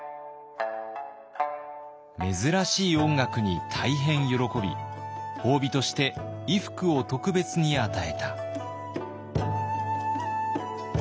珍しい音楽に大変喜び褒美として衣服を特別に与えた。